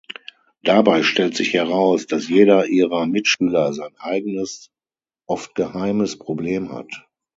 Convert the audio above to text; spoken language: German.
Dabei stellt sich heraus, dass jeder ihrer Mitschüler sein eigenes, oft geheimes Problem hat.